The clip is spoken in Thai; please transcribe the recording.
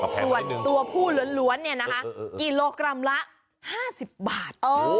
ส่วนตัวผู้ล้วนกิโลกรัมละ๕๐บาท